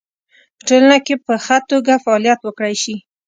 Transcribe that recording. په ټولنه کې په خه توګه فعالیت وکړی شي